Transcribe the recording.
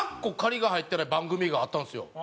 が入ってない番組があったんですよ。